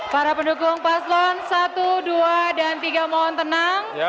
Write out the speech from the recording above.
para pendukung paslon satu dua dan tiga mohon tenang